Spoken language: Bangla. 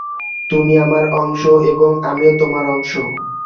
তুমি আমার অংশ, এবং আমিও তোমার অংশ।